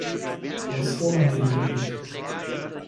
Was fordern wir in dem Bericht?